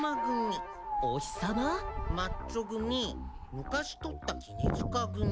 マッチョ組昔取った杵柄組。